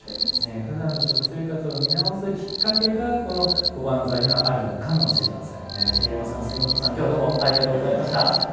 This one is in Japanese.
ふだんの食生活を見直すきっかけがこのおばんざいにはあるのかもしれません。